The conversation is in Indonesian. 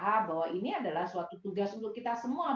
kita berharap bahwa ini adalah suatu tugas untuk kita semua